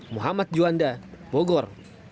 muhammad juanda bogor